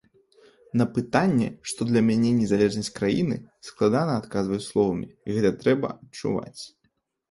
На пытанне, што для мяне незалежнасць краіны, складана адказваць словамі, гэта трэба адчуваць.